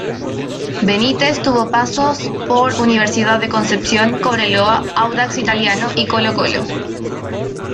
Benítez tuvo pasos por Universidad de Concepción, Cobreloa, Audax Italiano y Colo-Colo.